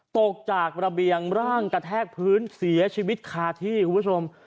ตกจากระเบียงร่างกระแทกพื้นเสียชีวิตคาที่คุณผู้ชม